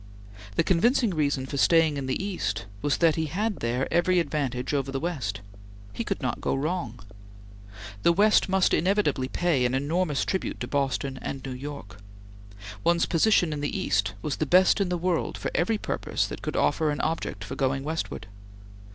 The convincing reason for staying in the East was that he had there every advantage over the West. He could not go wrong. The West must inevitably pay an enormous tribute to Boston and New York. One's position in the East was the best in the world for every purpose that could offer an object for going westward.